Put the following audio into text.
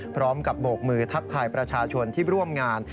โบกมือทักทายประชาชนที่ร่วมงาน